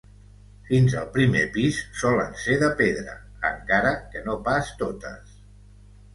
Fins al primer pis solen ser de pedra, encara que no pas totes.